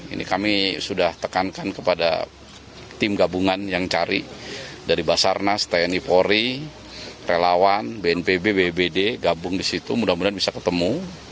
ini kami sudah tekankan kepada tim gabungan yang cari dari basarnas tni polri relawan bnpb bbd gabung di situ mudah mudahan bisa ketemu